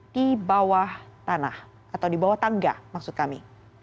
di bawah tanah atau di bawah tangga maksud kami